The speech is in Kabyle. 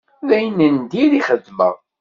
D ayen n dir ixedmeɣ.